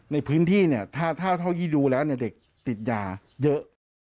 ในพื้นที่เนี่ยเท่าที่ดูแล้วเด็กติดยาเยอะ